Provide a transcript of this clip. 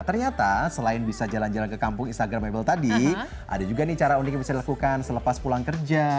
ternyata selain bisa jalan jalan ke kampung instagramable tadi ada juga nih cara unik yang bisa dilakukan selepas pulang kerja